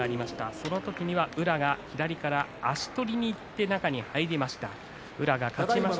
その時には宇良が左から足取りにいって中に入りました。